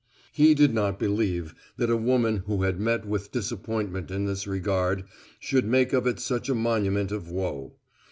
He did not believe that a woman who had met with disappointment in this regard should make of it such a monument of woe.